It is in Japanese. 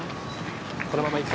このまま行くか。